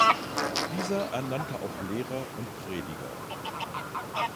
Dieser ernannte auch Lehrer und Prediger.